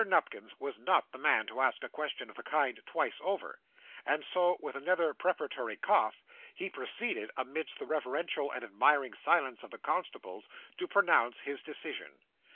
Nupkins was not the man to ask a question of the kind twice over; and so, with another preparatory cough, he proceeded, amidst the reverential and admiring silence of the constables, to pronounce his decision.